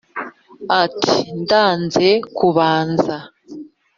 ati: ndanze kubanza